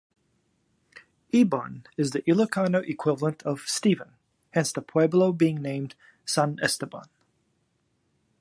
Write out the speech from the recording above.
"Iban" is the Ilocano equivalent of "Stephen," hence the pueblo being named San Esteban.